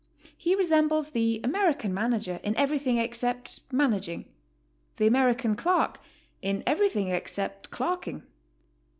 He resembles the American Manager in everything except managing; the American Clerk in everything except clerking.